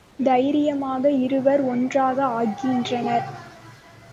தைரியமாக இருவர் ஒன்றாக ஆகின்றனர்.